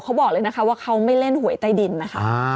เขาบอกเลยนะคะว่าเขาไม่เล่นหวยใต้ดินนะคะ